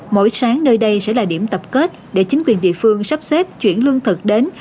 mỗi sáng nơi đây sẽ là điểm tập kết để chính quyền địa phương sắp xếp chuyển lương thực đến